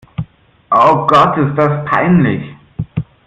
Oh Gott, ist das peinlich!